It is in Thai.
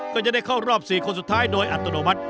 ก็จะได้เข้ารอบ๔คนสุดท้ายโดยอัตโนมัติ